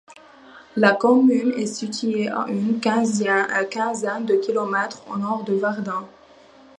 La commune est située à une quinzaine de kilomètres au nord de Verdun.